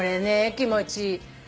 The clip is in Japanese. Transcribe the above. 気持ちいい。